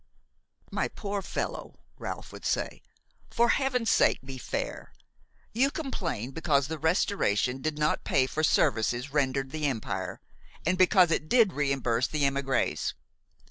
"My poor fellow!" Ralph would say, "for heaven's sake be fair; you complain because the Restoration did not pay for services rendered the Empire and because it did reimburse its émigrés.